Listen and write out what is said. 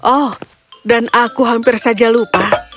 oh dan aku hampir saja lupa